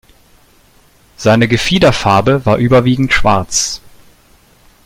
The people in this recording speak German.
Seine Gefiederfarbe war überwiegend schwarz.